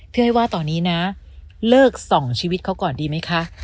อ้อยว่าตอนนี้นะเลิกส่องชีวิตเขาก่อนดีไหมคะ